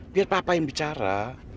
biar papa yang bicara